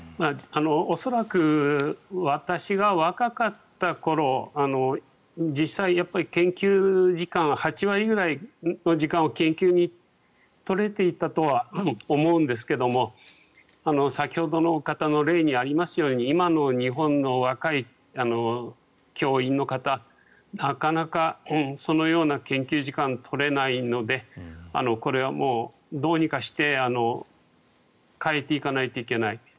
恐らく、私が若かった頃実際、研究時間は８割ぐらいの時間を研究に取れていたとは思うんですけれど先ほどの方の例にありますように今の日本の若い教員の方なかなかそのような研究時間を取れないのでこれはどうにかして変えていかないといけない。